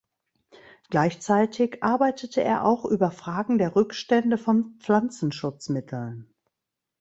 Gleichzeitig arbeitete er auch über Fragen der Rückstände von Pflanzenschutzmitteln.